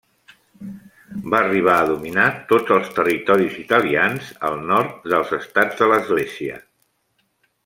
Va arribar a dominar tots els territoris italians al nord dels Estats de l'Església.